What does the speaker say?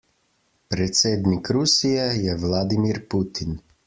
Predsednik Rusije je Vladimir Putin.